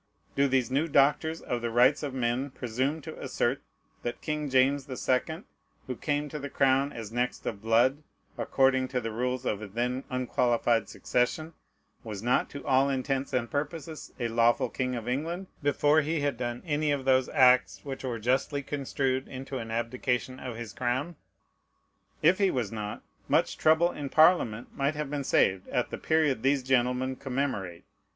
_ Do these new doctors of the rights of men presume to assert that King James the Second, who came to the crown as next of blood, according to the rules of a then unqualified succession, was not to all intents and purposes a lawful king of England, before he had done any of those acts which were justly construed into an abdication of his crown? If he was not, much trouble in Parliament might have been saved at the period these gentlemen commemorate.